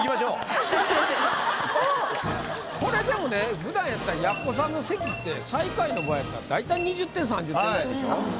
これでもねふだんやったら奴さんの席って最下位の場合やったらだいたい２０点３０点ぐらいでしょ？